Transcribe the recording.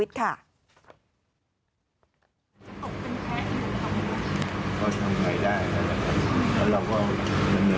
นั้นก็อย่างต่อคนยังรักษาผมความรุนแรงนะคะ